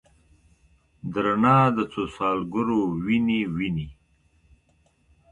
د رڼا د څوسوالګرو، وینې، وینې